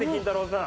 さん。